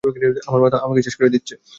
আমার মাথা, আমাকে শেষ করে দিচ্ছে।